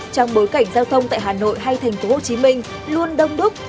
trong bối cảnh giao thông tại hà nội hay thành phố hồ chí minh luôn đông đúc